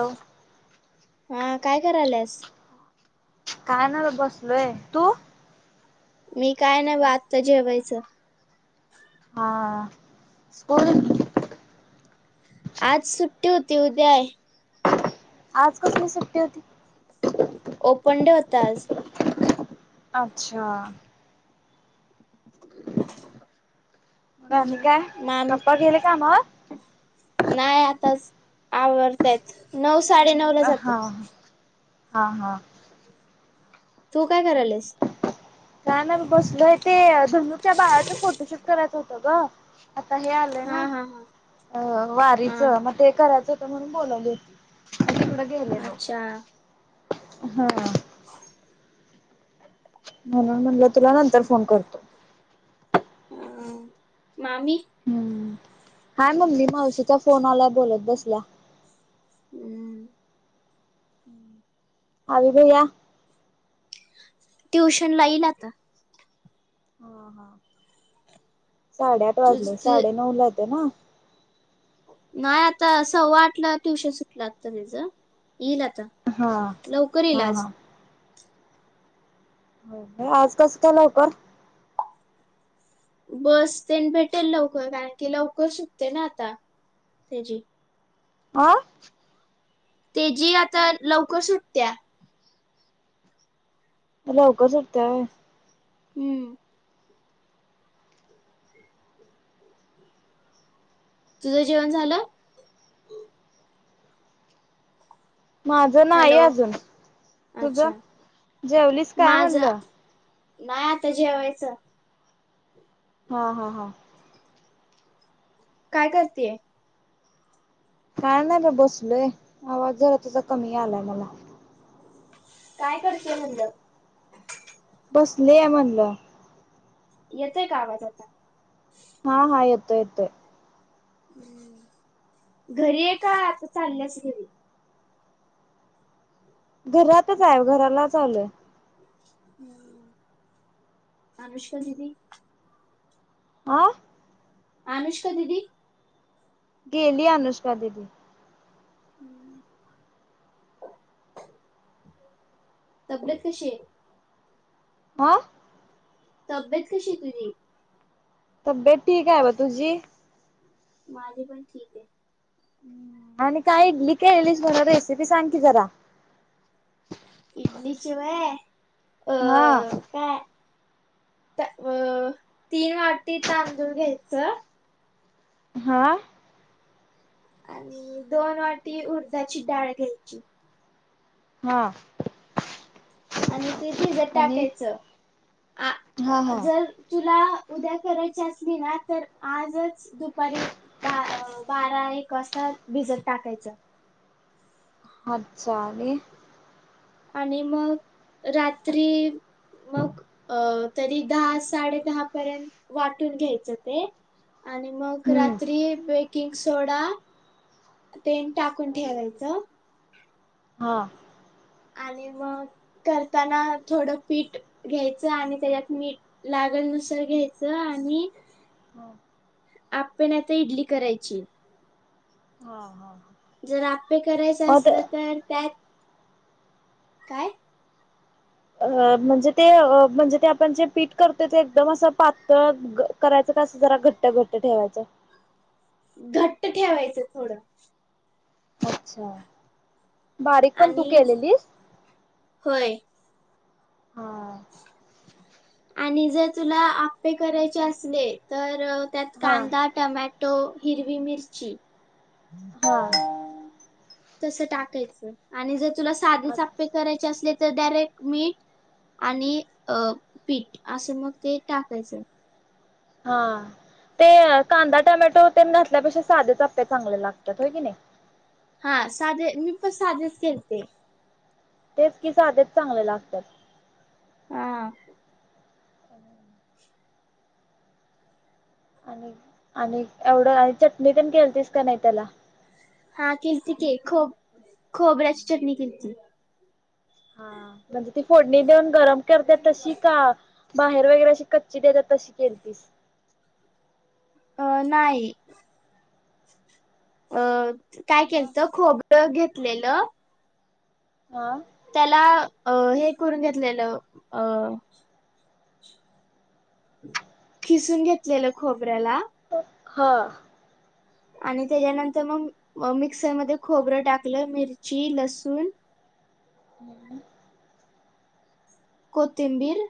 होॅ [inaudible] हा काय करायलास? काय नाय बघ बसलोय तू. मी काय नाही बघ आता जेवायचं‌, हा हा स्कुल? आज सुट्टी होती उद्या आहे. आज कसली सुट्टी होती. ओपन डे होता आज. अच्छा! आणि काय पप्पा गेले कामावर. नाय आता आवरता येत नऊ साडे नऊ ला जातात. हा हा हा तू काय करायलास. का ना मी बसलोय ते धुनूच्या बाळाचे फोटोशूट करायचं होतं ग आता हे आलं. हा ना हा हा वारीच म हा ते करायचं होतं म्हणून बोलवली होती तिकड गेलेलो. अच्छा हम्म म्हणून म्हणलं तुला नंतर फोन करतो. ह मामी हम्म हाय मम्मी मावशीच्या फोन आलाय बोलत बसल्या. हम् आवि भैया ट्युशन ला येईल आता. ह हा साडेआठ तुझ वाजले तु- साडे नऊला येतोय ना. नाय आता सव्वा आठला ट्युशन सुटलं आता त्याच येईल आता. हा लवकर येईल हा आज हा हो आज कसं काय लवकर बस तेन भेटेल लवकर कारण की लवकर सुटते ना आता त्याची- आं ते जी आता लवकर सुटत्या- लवकर सुटत्या होय. हम्म तुझं जेवण झालं? माझ नाही हॅलो अजून, तुझ अच्छा जेवलीस काय माझं म्हणलं? नाही आता जेवायचं. हा हा हा काय करतेय? काय नाही म बसलोय आवाज जरा तुझ कमी यायलाय मला- काय करतेय म्हणलं? बसलिये म्हणलं. येतय का आवाज आता हा हा येतोय येतोय. घरी आहे का आता चाल्यास घरी? घरातच आहे घरालाच आलोय. हम्म अनुष्का दिदी? आं? अनुष्का दिदी? गेली अनुष्का दिदी. तब्येत कशी आहे? हा? तब्येत कशी आहे तुझी? तब्येत ठीकय बघ तुझी? माझी पण ठीक आहे. आणि काय इडली केलीलीस म्हण रेसिपी सांग कि जरा इडलीची व्हय अ हा काय त व अ तीन वाटी तांदूळ घ्यायचं. हा- आणि दोन वाटी उडदाची डाळ घ्यायची. हा. आणि ते भिजत आणि टाकायचं आ हा हा जर- तुला उद्या करायची असली ना तर आजच दुपारी- बा बारा एक वाजता भिजत टाकायचं. अच्छा आणि- आणि मग रात्री- मग अ तरी दहा साडे दहा पर्यंत वाटून घ्यायचं ते. आणि मग हम्म रात्री बेकिंग सोडा- तेन टाकून ठेवायचं. हा. आणि मग करताना थोडं पीठ घ्यायचं आणि त्याच्यात मीठ- लागल नुसार घ्यायचं आणि- हा आप्पे नाही तर इडली करायची. हा हा हा जर आप्पे करायच असलं तर त्यात- काय अ म्हणजे ते म्हणजे ते आपण जे पीठ करतो ते एकदम असं पातळ ग करायचं कसं जरा घट्ट घट्ट ठेवायचं. घट्ट ठेवायचं थोडं. अच्छा बारीक पण तू आणि केलेलीस. होय. हा. आणि जर तुला आप्पे करायचे असले तर त्यात हा कांदा- टोमॅटो हिरवी मिर्ची- हा तस टाकायचं आणि जर तुला साधेच आप्पे करायचे असले तर डायरेक्ट मीठ- आणि अ पीठ असं मग ते टाकायचं. हां ते कांदा, टोमॅटो ते नसल्यापेक्षा साधेच आप्पे चांगले लागतात होय की नाही? हा. साधे मी पण साधेच केलते. तेच की साधेच चांगले लागतात. आ हा [inaudible] आणिक आणिक एवढं याच्यात नीतन केलतीस का नाही त्याला? हा केलती की खोब-खोबराची चटणी केलथी. हा म्हणजे ती फोडणी देऊन गरम करते तशी का? बाहेर वगैरे अशी कच्ची देतात तशी केलतीस. अ नाही अ काय मग केलत खोब- र घेतलेलं- ह. त्याला अ हे करून घेतलेलं अ- खिसून घेतलेलं खोबऱ्याला. हा. आणि त्याच्यानंतर मग मग मिक्सरमध्ये खोबरं टाकलं मिरची लसूण. [inaudible] कोथिंबीर.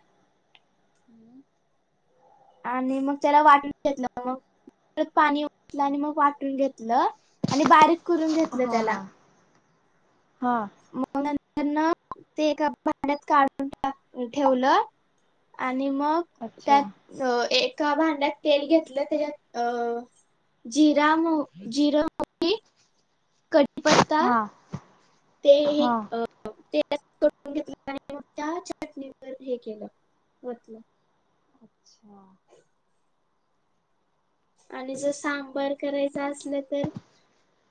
[unintelligible] [inaudible] आणि मग त्याला वाटून घेतलं मग परत पाणी ओतलं आणि मग वाटून घेतलं. आणि बारीक करून घेतलं त्याला. हां. मग नंतर ना ते एका भांड्यात काढूना ठेवलं. आणि मग अच्छा त्यात अ एका भांड्यात तेल घेतलं त्याच्यात अ जिरा मोह जीर, मोहरी कढीपत्ता हा ते ए हा तेलात परतून घेतलं मग त्या चटणीवर हे केलं ओतून. अच्छा. आणि जर सांबार करायचा असला तर?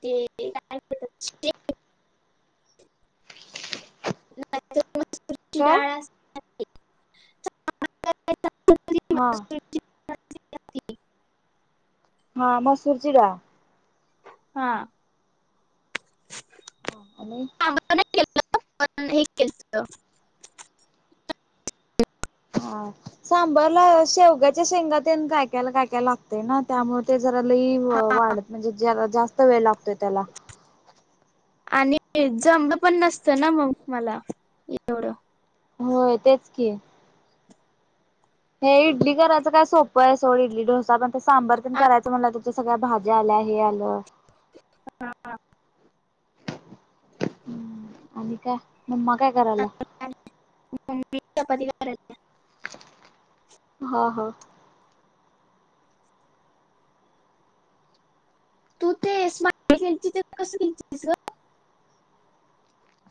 ते तिला नाही पटत. घरात चकमक तुरीची काय डाळ असत. करायचं असलं तरी हां. मसूरची डाळ असते. हां मसुर ची डाळ. हां. [inaudible] ह. आणि [unintelligible] हा. सांबरला शेवग्याच्या शेंगा तेन काय काय काय काय लागतंय ना? त्यामुळे ते जरा लई व-वाढत म्हणजे ज्याला जास्त वेळ लागतोय त्याला. आणि एक्झाम ला पण नसतं ना मग मला एवढं. होय तेच की. हे इडली करायचं काय सोपं आहे सोड इडली डोसा पण ते सांबर पण आ- करायं म्हणल तर सगळ्या भाज्या आल्या हे आलं. [inaudible] हां हां. आंबिका मम्मा काय करायला? [unintelligible] हा हा. तू ते स्माईली केलतीस ते कशी केलतीस ग?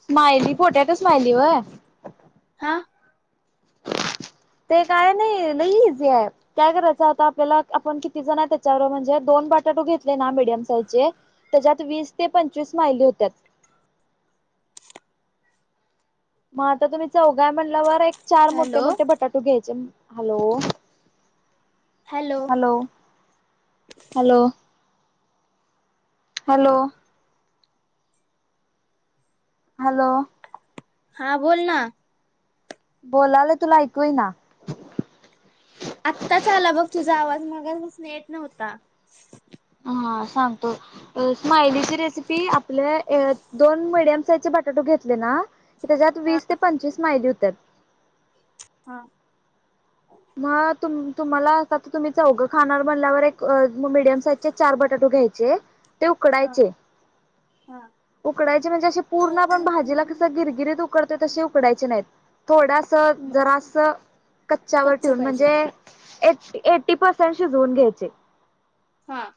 स्मायली पोट्याटो स्मायली होय? हां. [inaudible] ते काय नाही लय इझी आहे. काय करायचं आता आपल्याला आपण किती जण आहे त्याच्यावर म्हणजे दोन बटाटो घेतले ना मीडियम साईजचे, त्याच्यात वीस ते पंचवीस स्मायली होत्यात. मग आता तुम्ही चौघाय म्हणल्यावर एक चार मोठे हॅलो मोठे बटाटू घ्यायचे. Hello! Hello! Hello! Hello! Hello! Hello! हा बोल ना. बोलायला तुला ऐकूय ईना आत्ताच आला बघ तुझा आवाज मगापासन येत नव्हता. हम सांगतो. स्मायलीची रेसिपी आपल्या दोन मिडियम साइजचे बटाटो घेतले ना तेज्यात हा वीस ते पंचवीस स्माईली होत्यात. हां. मग तु तुम्हाला आता तुम्ही चौघं खाणार मनल्यावर एक मिडियम साईजचे चार बटाटो घ्यायचे. चे ते उकडायचे हम्म. उकडायचे म्हणजे असे पूर्ण आपण भाजीला कसं गिरगिरीत उकडते तसे उकडायचे नाहीत. थोडास म- जरासं कच्च्यावर कच्च ठेवून पाहिजे म्हणजे ए एट्टी पर्सेंट शिजवून घ्यायचे. हां.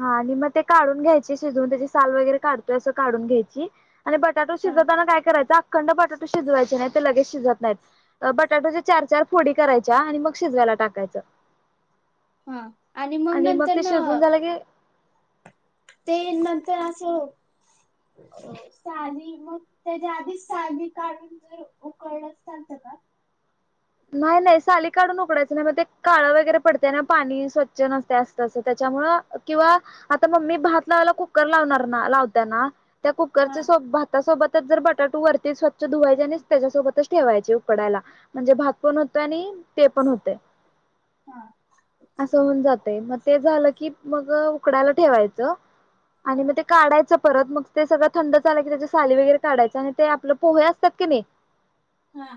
हा आणि मग ते काढून घ्यायचे शिजवून त्याची साल वगैरे काढतोय असं काढून घ्यायची. आणि बटाटो हा शिजवताना काय करायचं अखंड बटाटो शिजवायचे नाही ते लगेच शिजत नाहीत. बटाट्याच्या चार चार फोडी करायच्या आणि मग शिजवायला टाकायचं. हा आणि मग नंतर ते न शिजवून झालं की ते नंतर असं साली, मग त्याच्या आधीच साली काढून जर उकळल च चालतं का? नाही नाही साली काढून उकडायच नाही. मग ते काळं वगैरे पडतय ना पाणी स्वच्छ नसतय अस तंस त्याच्यामुळे, किंवा आता मम्मी भात लावायला कुकर लावणार ना लावत्या ना त्या हा कुकरच्या सोब- सोबतच जर बटाटू वरती स्वच्छ धुवायचे आणि त्याच्यासोबतच ठेवायचे उकडयला म्हणजे भात -पण होतय आणि ते पण होतय. हा अस चालतं होऊन जातय. म ते झालं की मग उकडायला ठेवायचं आणि हा मग ते काढायचं परत मग ते सगळं थंड झालं की त्याच्या साली वगैरे काढायच आणि ते आपल पोहे असतात कणी हा.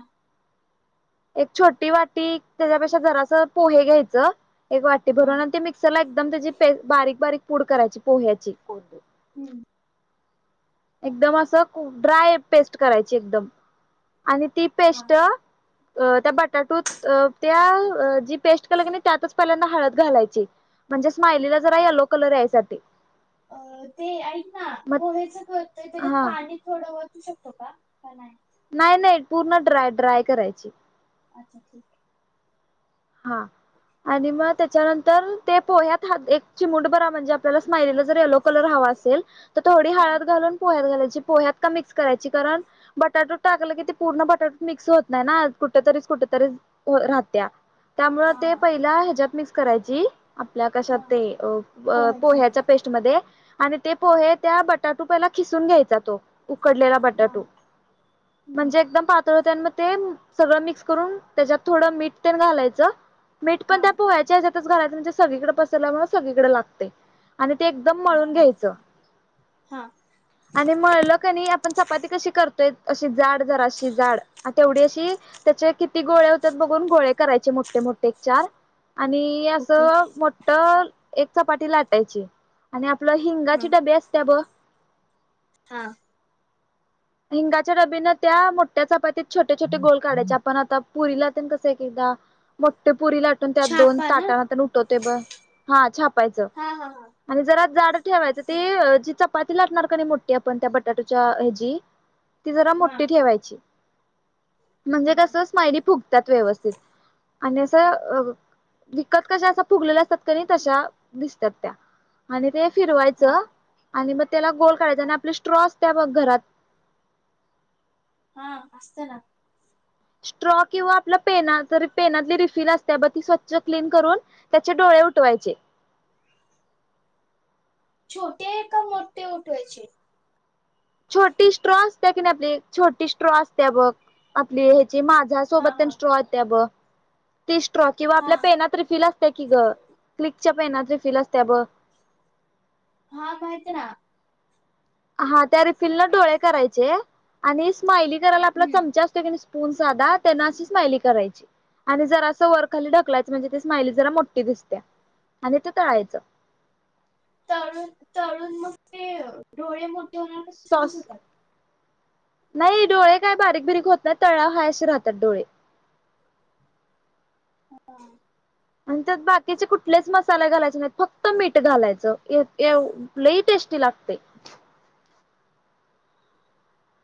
एक छोटी वाटी त्याच्यापेक्षा जरास पोहे घ्यायचं एक वाटी हा भरवून आणि मिक्सर ला एकदम त्याची पेस्ट बारीक बारीक पूड करायची पोह्याची हम्म. एकदम असं ड्राय पेस्ट करायची एकदम आणि ती हा पेस्ट, अ त्या बटाटूत अ त्या जी पेस्ट केलय कनी त्यातच पहिल्यांदा हळद घालायची. म्हणजे स्मायलीला जरा येलो कलर यायसाठी. अ ते ऐक ना मग पोहेचं करतोय त्याच्यात हा पाणी थोडं ओतू शकतो का, का नाही? नाही नाही पूर्ण ड्राय ड्राय करायची. अच्छा ठीक आहे. हा आणि मग त्याच्यानंतर ते पोह्यात हा-एक चिमुड बर म्हणजे तुला स्मायलीला जर येलो कलर हवा असेल तर थोडी हा हळद घालून पोह्यात घालायची, पोह्यात का मिक्स करायची कारण बटाटूत टाकलं की ते पूर्ण बटाटूत मिक्स होत नाही ना कुठ तरीच कुठ तरी वर राहत्या. त्यामुळं हा ते पहिला ह्याच्यात मिक्स करायची. आपल्या कशात हा ते पोह्याचे पोह्याच्यात पेस्ट मध्ये आणि ते पोहे त्या बटाटू पहिला खिसून घ्यायचा तो. उकडलेला हा बटाटू. हम्म म्हणजे एकदम पातळ तर त्यामध्ये सगळं मिक्स करून त्याच्यात थोडं मीठ तेन घालायचं मीठ हा पण त्या पोह्याच्या हेजातच घालायच म्हणजे सगळीकडं पसरल्यामुळं सगळीकडं लागतय. आणि ते एकदम मळून हा घ्यायचं. हा आणि मळलं कनी, आपण चपाती कशी करतोय अशी जाड जराशी जाड तेवढी अशी त्याचे किती गोळे होत्यात बघून गोळे करायचे मोठे मोठे एक चार आणि ओके असं मोठ एक चपाटी लाटायची आणि आपलं हा हिंगाची डबी असत्या बघ हा. हिंगाच्या डबीने त्या मोठ्या चपातीत छोटे छोटे गोल काढायचे. आपण आता पुरीला तेन कसं तेज्या मोठं पुरी लाटून तर त्यात दोन छापा ना ताटन तेन उठवतोय बघ हा छापायचं. हा हा हा आणि जरा झाड ठेवायचं. ते जिच्या चपाती लाटणार कनी मोठी आपण त्या बटाटूच्या हेजी ती जरा हा मोठी ठेवायची. म्हणजे हा कस स्मायली फुगत्यात व्यवस्थित. आणि असं अ- क विकत कशा अश्य फुगलेल्या असतात कनी तशा दिसतात त्या. आणि ते हा फिरवायचं. आणि मग तेला गोल काढायच, हा आणि आपली स्ट्रॉ असत्या बघ घरात हा. असत्या ना. स्ट्रॉ किंवा आपल्या पेना पेनातली रिफिल असत्या बघ ती स्वच्छ क्लीन करून त्याचे डोळे उठवायचे. छोटे का मोठे उठवायचे छोटी स्ट्रॉ असत्या कि नाही आपली छोटी स्ट्रॉ असते बघ आपली ह्याची माझा हा सोबत तेन हा स्ट्राॅ येता बघ ती स्ट्रॉ किंवा हा आपल्या पेनात रिफील असत्या की ग क्लिकच्या पेनात रिफील असत्या बघ हा माहीतीय ना हा त्या रिफिलनं डोळे करायचे. आणि स्माइली करायला आपला हम्म चमचा असतोय कणी स्पून साधा त्यांन अशी स्मायली करायची. आणि जरासं वरखाली ढकलायचं म्हणजे ते स्मायली जरा मोठी दिसत्या आणि ते तळायचं तळून तळून मग ते डोळे मो सॉस नाही डोळे काय बारीक बिरीक काय होत नाही तळल्यावर हाय असे राहतात डोळे हा आणि त्यात बाकीचे कुठलेच मसाले घालायचे नाहीत फक्त मीठ घालायचं एक एव लई टेस्टी लागतय.